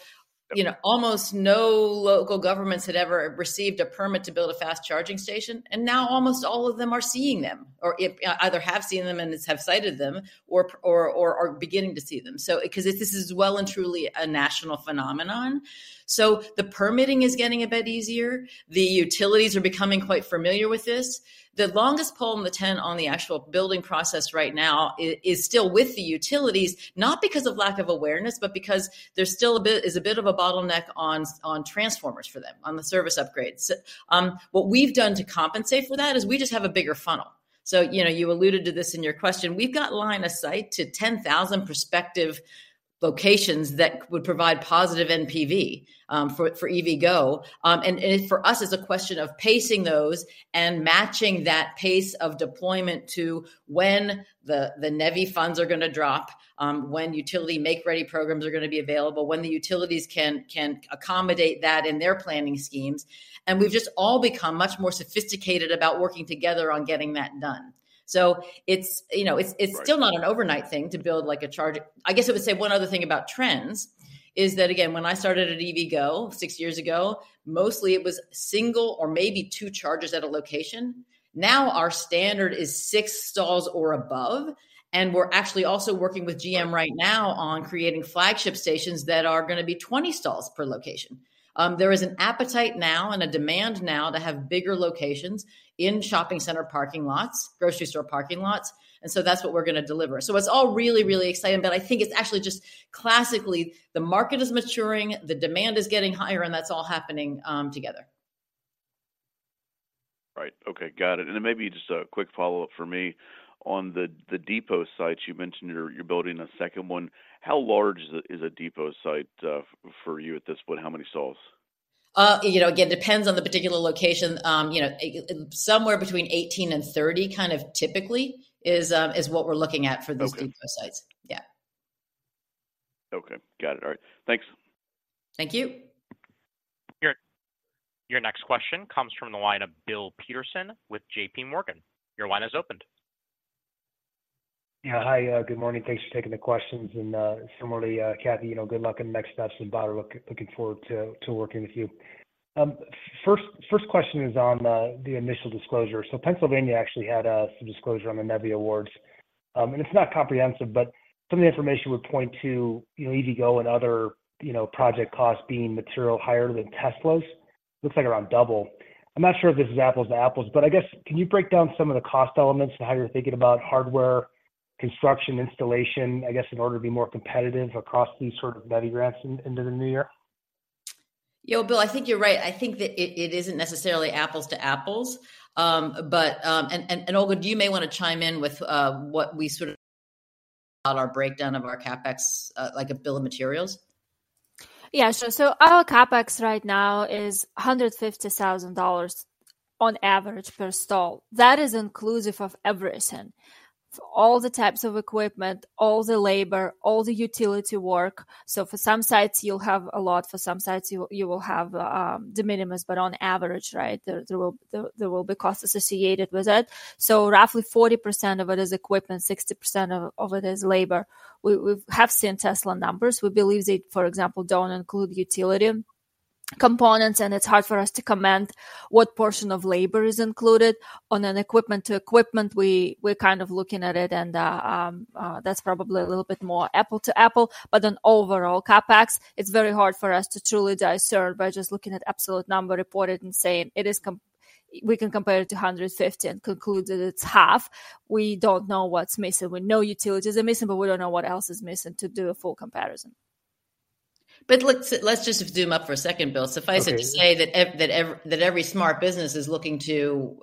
you know, almost no local governments had ever received a permit to build a fast charging station, and now almost all of them are seeing them, or either have seen them and have cited them, or are beginning to see them. So because this is well and truly a national phenomenon. So the permitting is getting a bit easier. The utilities are becoming quite familiar with this. The longest pole in the tent on the actual building process right now is still with the utilities, not because of lack of awareness, but because there's still a bit of a bottleneck on transformers for them, on the service upgrades. So, what we've done to compensate for that is we just have a bigger funnel. So, you know, you alluded to this in your question. We've got line of sight to 10,000 prospective locations that would provide positive NPV for EVgo. And for us, it's a question of pacing those and matching that pace of deployment to when the NEVI funds are gonna drop, when utility make-ready programs are gonna be available, when the utilities can accommodate that in their planning schemes. We've just all become much more sophisticated about working together on getting that done. So it's, you know- Right... it's still not an overnight thing to build, like, a charger. I guess I would say one other thing about trends is that, again, when I started at EVgo six years ago, mostly it was single or maybe two chargers at a location. Now, our standard is six stalls or above, and we're actually also working with GM right now on creating flagship stations that are gonna be 20 stalls per location. There is an appetite now and a demand now to have bigger locations in shopping center parking lots, grocery store parking lots, and so that's what we're gonna deliver. So it's all really, really exciting, but I think it's actually just classically, the market is maturing, the demand is getting higher, and that's all happening together. Right. Okay, got it. And then maybe just a quick follow-up for me. On the depot sites, you mentioned you're building a second one. How large is a depot site for you at this point? How many stalls? You know, again, depends on the particular location. You know, somewhere between 18 and 30, kind of typically is what we're looking at. Okay... for these depot sites. Yeah. Okay. Got it. All right. Thanks. Thank you. Your next question comes from the line of Bill Peterson with JP Morgan. Your line is opened. Yeah, hi, good morning. Thanks for taking the questions. And, similarly, Cathy, you know, good luck in the next steps, and Badar, looking forward to working with you. First question is on the initial disclosure. So Pennsylvania actually had some disclosure on the NEVI awards. And it's not comprehensive, but some of the information would point to, you know, EVgo and other, you know, project costs being materially higher than Tesla's. Looks like around double. I'm not sure if this is apples to apples, but I guess, can you break down some of the cost elements to how you're thinking about hardware, construction, installation, I guess, in order to be more competitive across these sort of NEVI grants into the new year? Yo, Bill, I think you're right. I think that it isn't necessarily apples to apples. And Olga, do you may want to chime in with what we sort of on our breakdown of our CapEx, like a bill of materials? Yeah, sure. So our CapEx right now is $150,000 on average per stall. That is inclusive of everything: all the types of equipment, all the labor, all the utility work. So for some sites, you'll have a lot; for some sites, you will have de minimis, but on average, right, there will be costs associated with it. So roughly 40% of it is equipment, 60% of it is labor. We've seen Tesla numbers. We believe they, for example, don't include utility components, and it's hard for us to comment what portion of labor is included. On an equipment to equipment, we're kind of looking at it, and that's probably a little bit more apples to apples. But on overall CapEx, it's very hard for us to truly discern by just looking at absolute number reported and saying it is. We can compare it to 150 and conclude that it's half. We don't know what's missing. We know utilities are missing, but we don't know what else is missing to do a full comparison. ... But let's, let's just zoom up for a second, Bill. Okay. Suffice it to say that every smart business is looking to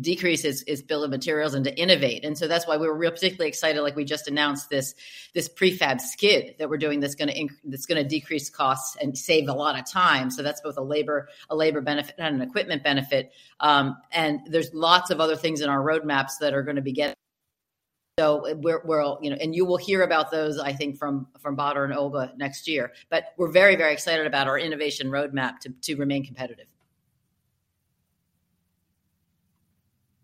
decrease its bill of materials and to innovate. And so that's why we're really particularly excited, like we just announced this prefab skid that we're doing that's gonna decrease costs and save a lot of time. So that's both a labor benefit and an equipment benefit. And there's lots of other things in our roadmaps that are gonna be getting. So we're, you know, and you will hear about those, I think from Badar and Olga next year. But we're very, very excited about our innovation roadmap to remain competitive.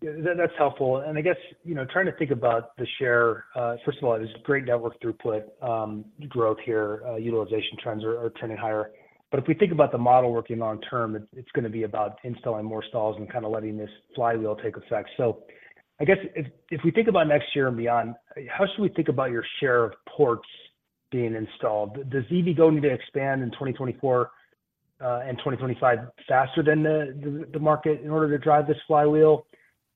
Yeah, that's helpful. And I guess, you know, trying to think about the share, first of all, it is great network throughput growth here, utilization trends are trending higher. But if we think about the model working long term, it's gonna be about installing more stalls and kind of letting this flywheel take effect. So I guess if we think about next year and beyond, how should we think about your share of ports being installed? Does EVgo need to expand in 2024 and 2025 faster than the market in order to drive this flywheel?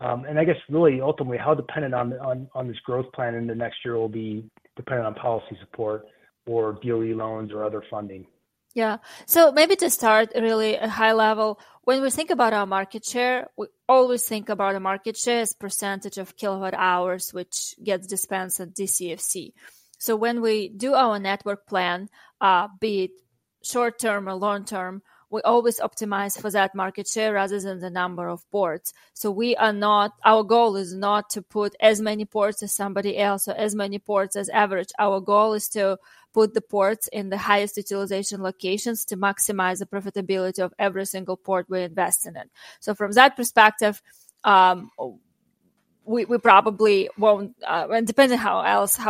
And I guess really ultimately, how dependent on this growth plan in the next year will be dependent on policy support or DOE loans or other funding? Yeah. So maybe to start really at high level, when we think about our market share, we always think about our market share as percentage of kilowatt hours, which gets dispensed at DCFC. So when we do our network plan, be it short term or long term, we always optimize for that market share rather than the number of ports. So we are not, our goal is not to put as many ports as somebody else or as many ports as average. Our goal is to put the ports in the highest utilization locations to maximize the profitability of every single port we invest in it. So from that perspective, we probably won't, and depending how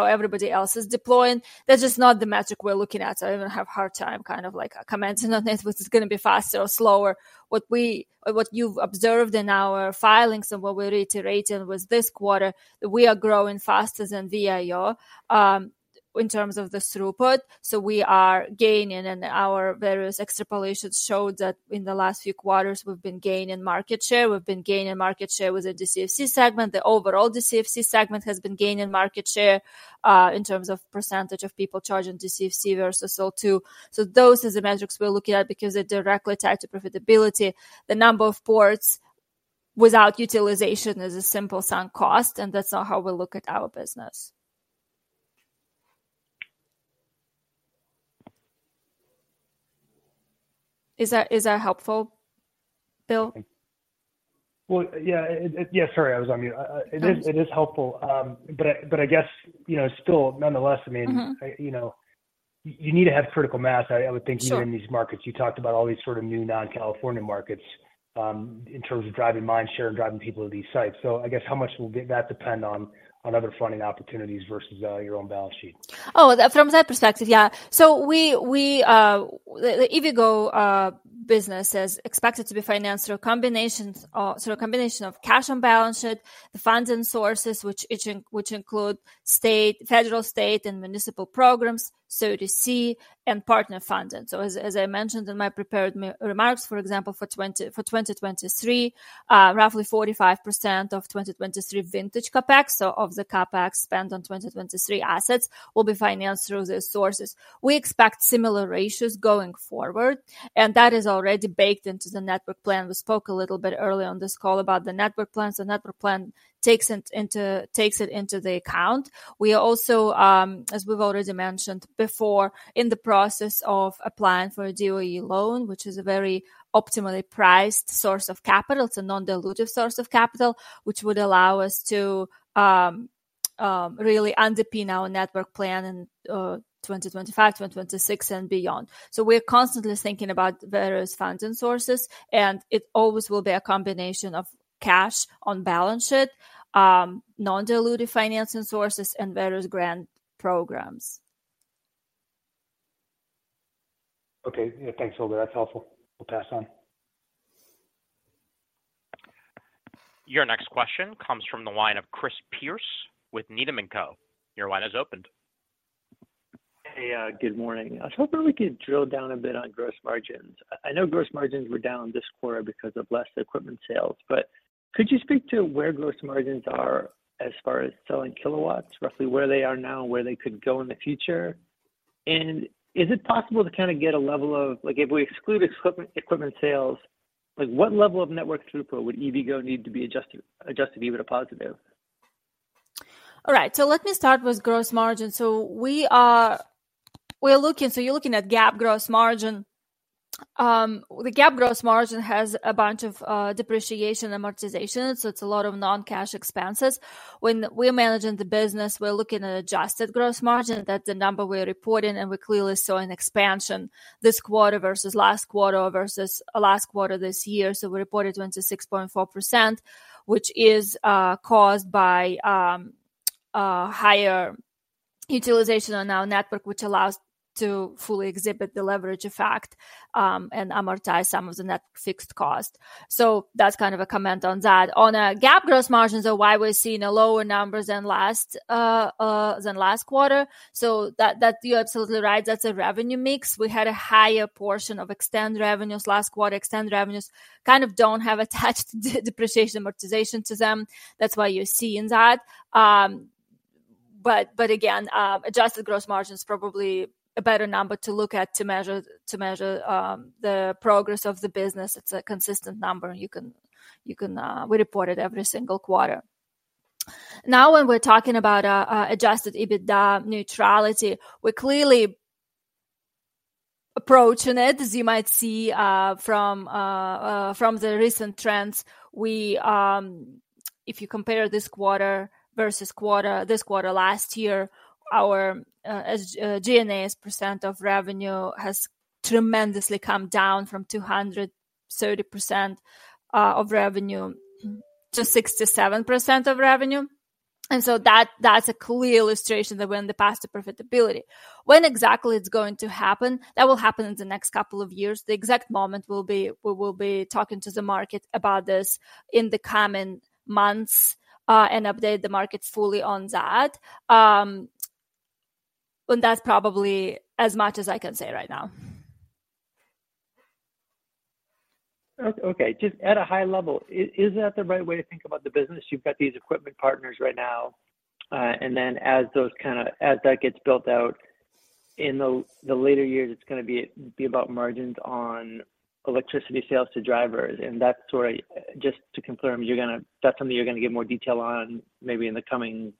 everybody else is deploying, that's just not the metric we're looking at. So I even have a hard time kind of like commenting on this, which is gonna be faster or slower. What you've observed in our filings and what we're reiterating was this quarter, that we are growing faster than VIO in terms of the throughput, so we are gaining, and our various extrapolations show that in the last few quarters, we've been gaining market share. We've been gaining market share with the DCFC segment. The overall DCFC segment has been gaining market share in terms of percentage of people charging DCFC versus L2. So those are the metrics we're looking at because they're directly tied to profitability. The number of ports without utilization is a simple sunk cost, and that's not how we look at our business. Is that, is that helpful, Bill? Well, yeah. Yeah, sorry, I was on mute. Sure. It is helpful. But I guess, you know, still, nonetheless, I mean- Mm-hmm. You know, you need to have critical mass. I, I would think- Sure... here in these markets, you talked about all these sort of new non-California markets, in terms of driving mindshare and driving people to these sites. So I guess how much will get that depend on, on other funding opportunities versus, your own balance sheet? Oh, from that perspective, yeah. So the EVgo business is expected to be financed through a combination of cash on balance sheet, the funding sources, which include state, federal, and municipal programs, 30C, and partner funding. So as I mentioned in my prepared remarks, for example, for 2023, roughly 45% of 2023 vintage CapEx, so of the CapEx spent on 2023 assets, will be financed through these sources. We expect similar ratios going forward, and that is already baked into the network plan. We spoke a little bit earlier on this call about the network plan. The network plan takes it into account. We are also, as we've already mentioned before, in the process of applying for a DOE loan, which is a very optimally priced source of capital. It's a non-dilutive source of capital, which would allow us to, really underpin our network plan in, 2025, 2026, and beyond. So we're constantly thinking about various funding sources, and it always will be a combination of cash on balance sheet, non-dilutive financing sources, and various grant programs. Okay. Yeah, thanks, Olga. That's helpful. We'll pass on. Your next question comes from the line of Chris Pierce with Needham and Co. Your line is opened. Hey, good morning. I was hoping we could drill down a bit on gross margins. I know gross margins were down this quarter because of less equipment sales, but could you speak to where gross margins are as far as selling kilowatts, roughly where they are now and where they could go in the future? And is it possible to kind of get a level of, like, if we exclude equipment sales, like, what level of network throughput would EVgo need to be adjusted to be with a positive? All right, so let me start with gross margin. So we're looking, so you're looking at GAAP gross margin. The GAAP gross margin has a bunch of depreciation and amortization, so it's a lot of non-cash expenses. When we're managing the business, we're looking at adjusted gross margin. That's the number we're reporting, and we clearly saw an expansion this quarter versus last quarter versus last quarter this year. So we reported 26.4%, which is caused by higher utilization on our network, which allows to fully exhibit the leverage effect, and amortize some of the net fixed cost. So that's kind of a comment on that. On a GAAP gross margins are why we're seeing a lower numbers than last than last quarter. So that, that you're absolutely right, that's a revenue mix. We had a higher portion of eXtend revenues last quarter. eXtend revenues kind of don't have attached depreciation, amortization to them. That's why you're seeing that. But again, adjusted gross margin is probably a better number to look at to measure the progress of the business. It's a consistent number, and you can, we report it every single quarter. Now, when we're talking about adjusted EBITDA neutrality, we're clearly approaching it. As you might see, from the recent trends, we if you compare this quarter versus quarter, this quarter last year, our G&A as percent of revenue has tremendously come down from 230% of revenue to 67% of revenue. And so that, that's a clear illustration that we're in the path to profitability. When exactly it's going to happen? That will happen in the next couple of years. The exact moment we'll be- we will be talking to the market about this in the coming months, and update the market fully on that. And that's probably as much as I can say right now. Okay. Just at a high level, is that the right way to think about the business? You've got these equipment partners right now, and then as those kinda as that gets built out in the later years, it's gonna be about margins on electricity sales to drivers. And that sort of... Just to confirm, that's something you're gonna give more detail on, maybe in the coming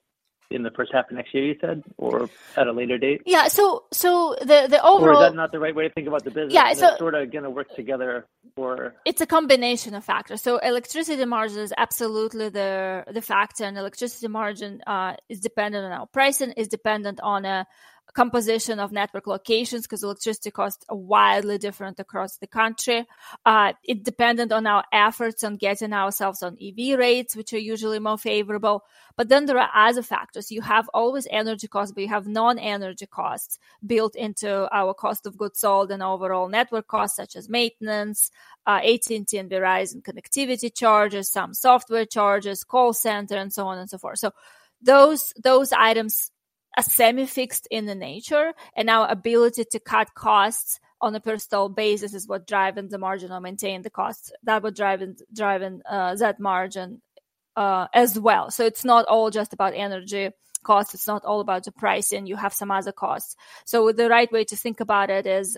in the first half of next year, you said, or at a later date? Yeah. So, the overall- Or is that not the right way to think about the business? Yeah, so- It's sort of gonna work together or? It's a combination of factors. So electricity margin is absolutely the factor, and electricity margin is dependent on our pricing, is dependent on a composition of network locations, 'cause electricity costs are wildly different across the country. It dependent on our efforts on getting ourselves on EV rates, which are usually more favorable. But then there are other factors. You have always energy costs, but you have non-energy costs built into our cost of goods sold and overall network costs, such as maintenance, AT&T and Verizon connectivity charges, some software charges, call center, and so on and so forth. So those items are semi-fixed in the nature, and our ability to cut costs on a per install basis is what driving the margin or maintaining the cost. That would driving that margin as well. So it's not all just about energy costs, it's not all about the pricing, you have some other costs. So the right way to think about it is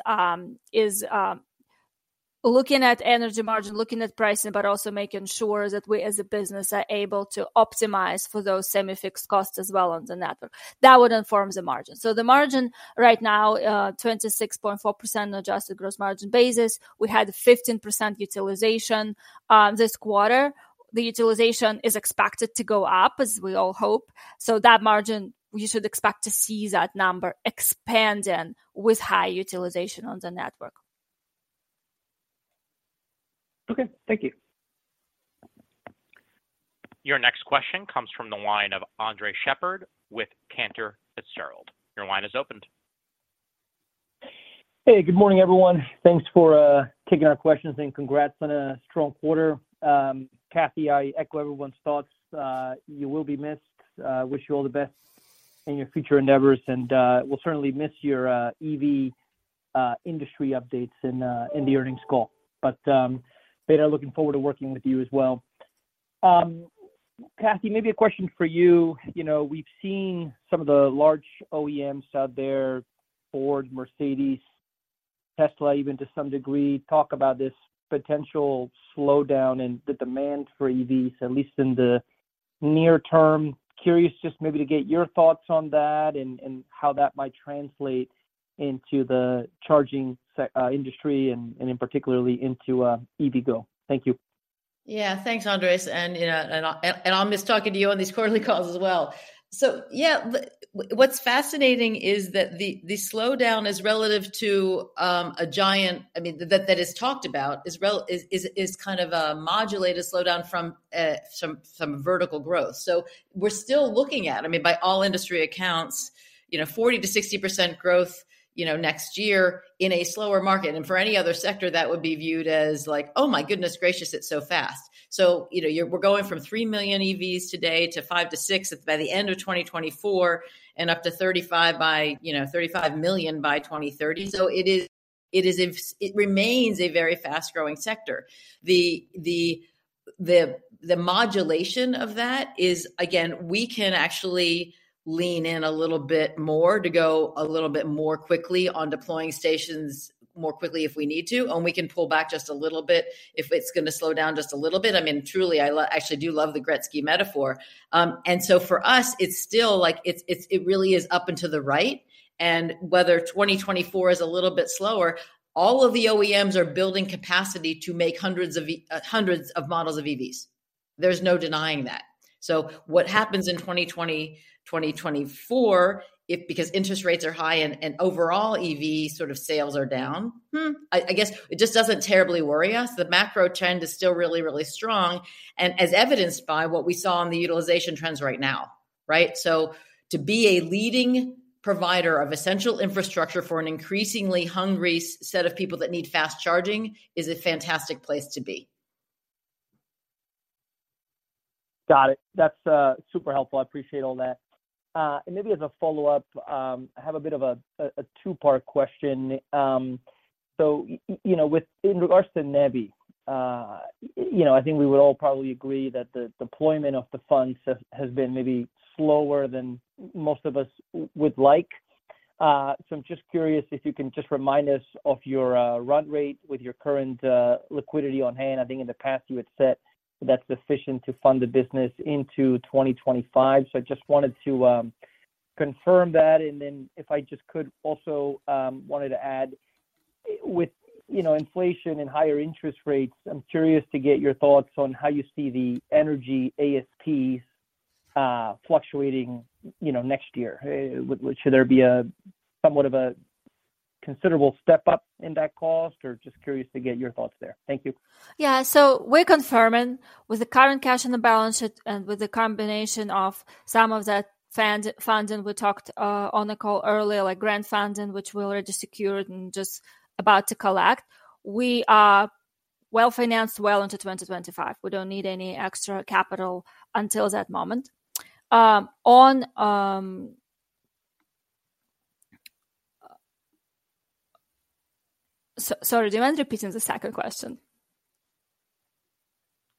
looking at energy margin, looking at pricing, but also making sure that we, as a business, are able to optimize for those semi-fixed costs as well on the network. That would inform the margin. So the margin right now, 26.4% Adjusted Gross Margin basis. We had a 15% utilization this quarter. The utilization is expected to go up, as we all hope. So that margin, you should expect to see that number expanding with high utilization on the network. Okay, thank you. Your next question comes from the line of Andres Sheppard with Cantor Fitzgerald. Your line is opened. Hey, good morning, everyone. Thanks for taking our questions, and congrats on a strong quarter. Cathy, I echo everyone's thoughts. You will be missed. Wish you all the best in your future endeavors, and we'll certainly miss your EV industry updates in the earnings call. But, Badar, looking forward to working with you as well. Cathy, maybe a question for you. You know, we've seen some of the large OEMs out there, Ford, Mercedes, Tesla, even to some degree, talk about this potential slowdown in the demand for EVs, at least in the near term. Curious, just maybe to get your thoughts on that and how that might translate into the charging industry and in particular into EVgo. Thank you. Yeah. Thanks, Andres, and, you know, and I, and I'll miss talking to you on these quarterly calls as well. So yeah, the... What's fascinating is that the slowdown is relative to a giant—I mean, that that is talked about is relative—is kind of a modulated slowdown from some vertical growth. So we're still looking at, I mean, by all industry accounts, you know, 40%-60% growth, you know, next year in a slower market. And for any other sector, that would be viewed as like, "Oh, my goodness gracious, it's so fast!" So, you know, we're going from 3 million EVs today to 5-6 by the end of 2024 and up to 35 by, you know, 35 million by 2030. So it is, it remains a very fast-growing sector. The modulation of that is, again, we can actually lean in a little bit more to go a little bit more quickly on deploying stations more quickly if we need to, and we can pull back just a little bit if it's gonna slow down just a little bit. I mean, truly, I actually do love the Gretzky metaphor. And so for us, it's still like it really is up and to the right. And whether 2024 is a little bit slower, all of the OEMs are building capacity to make hundreds of V- hundreds of models of EVs. There's no denying that. So what happens in 2020-2024, if because interest rates are high and, and overall EV sort of sales are down? Hmm, I guess it just doesn't terribly worry us. The macro trend is still really, really strong, and as evidenced by what we saw in the utilization trends right now, right? So to be a leading provider of essential infrastructure for an increasingly hungry set of people that need fast charging is a fantastic place to be. Got it. That's super helpful. I appreciate all that. And maybe as a follow-up, I have a bit of a two-part question. So, you know, with in regards to NEVI, you know, I think we would all probably agree that the deployment of the funds has been maybe slower than most of us would like. So I'm just curious if you can just remind us of your run rate with your current liquidity on hand. I think in the past you had said that's sufficient to fund the business into 2025. So I just wanted to confirm that, and then if I just could also wanted to add, with you know, inflation and higher interest rates, I'm curious to get your thoughts on how you see the energy ASPs fluctuating, you know, next year. Should there be a somewhat of a considerable step-up in that cost? Or just curious to get your thoughts there. Thank you. Yeah, so we're confirming with the current cash on the balance sheet and with the combination of some of that fund, funding we talked on the call earlier, like grant funding, which we already secured and just about to collect. We are well-financed well into 2025. We don't need any extra capital until that moment. Sorry, do you mind repeating the second question?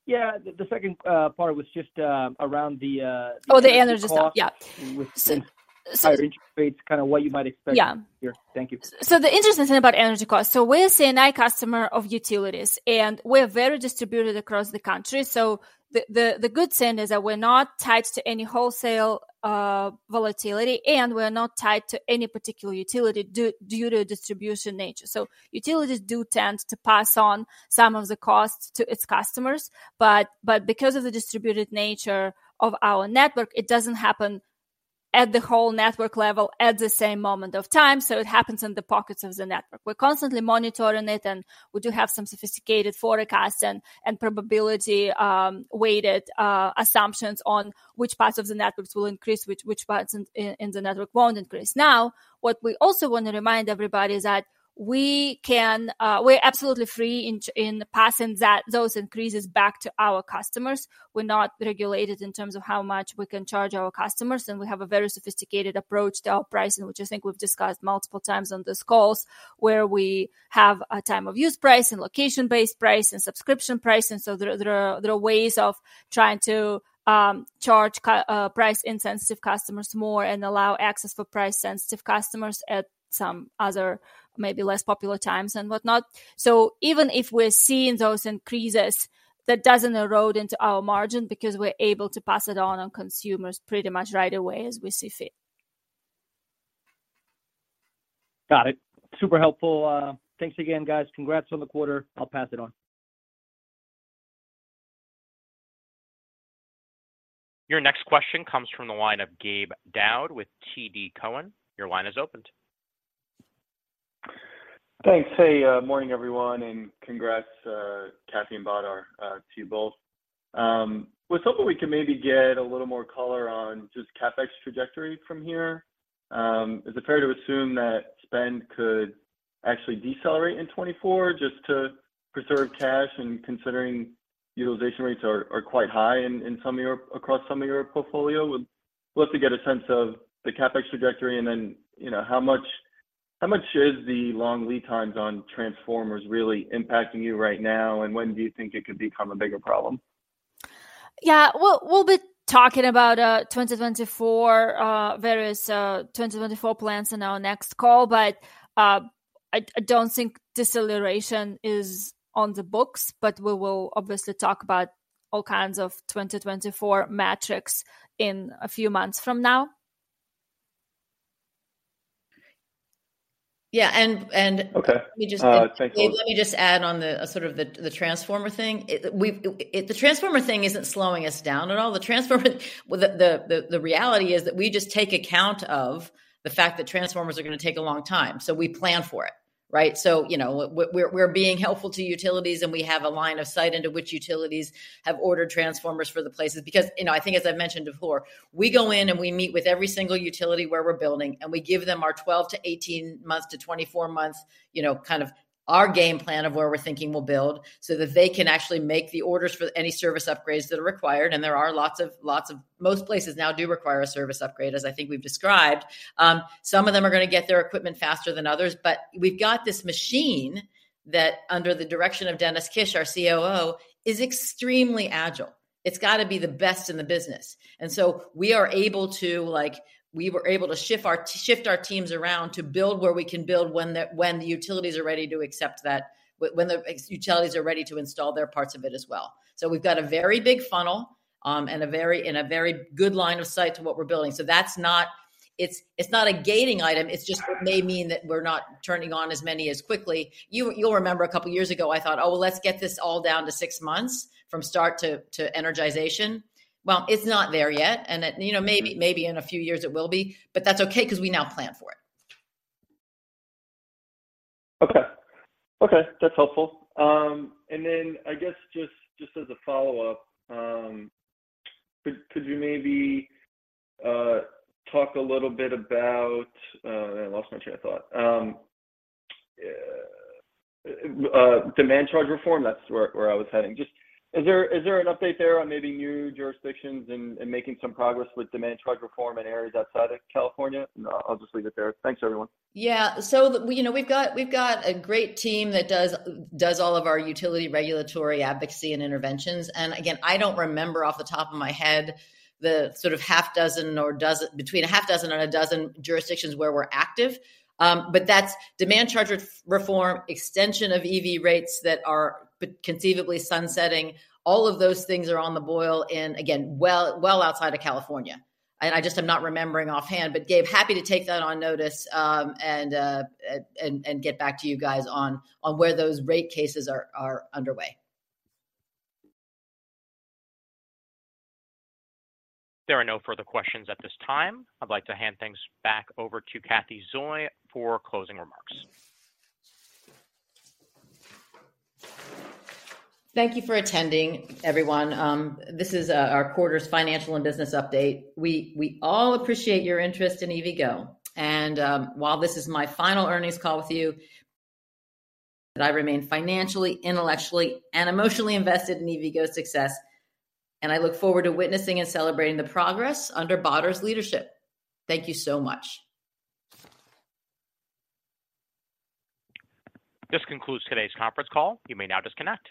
Yeah. The second part was just around the in- Oh, the energy cost. Yeah. With higher interest rates, kinda what you might expect- Yeah. Thank you. So the interesting thing about energy costs, so we're C&I customer of utilities, and we're very distributed across the country. So the good thing is that we're not tied to any wholesale volatility, and we're not tied to any particular utility due to distribution nature. So utilities do tend to pass on some of the costs to its customers, but because of the distributed nature of our network, it doesn't happen at the whole network level at the same moment of time, so it happens in the pockets of the network. We're constantly monitoring it, and we do have some sophisticated forecast and probability weighted assumptions on which parts of the networks will increase, which parts in the network won't increase. Now, what we also want to remind everybody is that we can, we're absolutely free in passing those increases back to our customers. We're not regulated in terms of how much we can charge our customers, and we have a very sophisticated approach to our pricing, which I think we've discussed multiple times on these calls, where we have a time of use price and location-based price and subscription pricing. So there are ways of trying to charge price-insensitive customers more and allow access for price-sensitive customers at some other maybe less popular times and whatnot. So even if we're seeing those increases, that doesn't erode into our margin because we're able to pass it on to consumers pretty much right away as we see fit. Got it. Super helpful. Thanks again, guys. Congrats on the quarter. I'll pass it on. Your next question comes from the line of Gabe Daoud with TD Cowen. Your line is open. Thanks. Hey, morning, everyone, and congrats, Cathy and Badar, to you both. Was hoping we could maybe get a little more color on just CapEx trajectory from here. Is it fair to assume that spend could actually decelerate in 2024 just to preserve cash and considering utilization rates are quite high in some of your-- across some of your portfolio? Would love to get a sense of the CapEx trajectory, and then, you know, how much is the long lead times on transformers really impacting you right now, and when do you think it could become a bigger problem? Yeah, we'll be talking about 2024 various 2024 plans on our next call, but I don't think deceleration is on the books, but we will obviously talk about all kinds of 2024 metrics in a few months from now. Yeah, and, and- Okay. Let me just- Thank you. Let me just add on, sort of, the transformer thing. It, we've – it, the transformer thing isn't slowing us down at all. The transformer, well, the reality is that we just take account of the fact that transformers are going to take a long time, so we plan for it, right? So, you know, we're being helpful to utilities, and we have a line of sight into which utilities have ordered transformers for the places. Because, you know, I think as I've mentioned before, we go in and we meet with every single utility where we're building, and we give them our 12-18 months to 24 months, you know, kind of our game plan of where we're thinking we'll build, so that they can actually make the orders for any service upgrades that are required. And there are lots of, lots of... Most places now do require a service upgrade, as I think we've described. Some of them are going to get their equipment faster than others, but we've got this machine that, under the direction of Dennis Kish, our COO, is extremely agile. It's got to be the best in the business. And so we are able to, like, we were able to shift our teams around to build where we can build when the utilities are ready to accept that, when the utilities are ready to install their parts of it as well. So we've got a very big funnel, and a very good line of sight to what we're building. So that's not a gating item. It's just what may mean that we're not turning on as many as quickly. You'll remember a couple of years ago, I thought, "Oh, let's get this all down to six months from start to energization." Well, it's not there yet, and, you know, maybe in a few years it will be, but that's okay because we now plan for it. Okay. Okay, that's helpful. And then I guess just, just as a follow-up, could, could you maybe talk a little bit about... I lost my train of thought. Demand charge reform, that's where, where I was heading. Just, is there, is there an update there on maybe new jurisdictions and, and making some progress with demand charge reform in areas outside of California? I'll just leave it there. Thanks, everyone. Yeah. So, you know, we've got a great team that does all of our utility regulatory advocacy and interventions. And again, I don't remember off the top of my head the sort of half dozen or dozen, between 6 and 12 jurisdictions where we're active. But that's demand charge reform, extension of EV rates that are conceivably sunsetting. All of those things are on the boil and, again, well outside of California. And I just am not remembering offhand, but Gabe, happy to take that on notice, and get back to you guys on where those rate cases are underway. There are no further questions at this time. I'd like to hand things back over to Cathy Zoi for closing remarks. Thank you for attending, everyone. This is our quarter's financial and business update. We all appreciate your interest in EVgo, and while this is my final earnings call with you, that I remain financially, intellectually, and emotionally invested in EVgo's success, and I look forward to witnessing and celebrating the progress under Badar's leadership. Thank you so much. This concludes today's conference call. You may now disconnect.